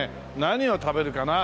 何を食べるかな。